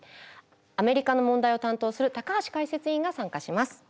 アメリカの問題を担当する橋解説委員が参加します。